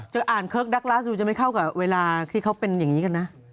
อ่านเคิร์กดักลาสดูจะไม่เข้ากับเวลาที่เขาเป็นอย่างนี้กันนะ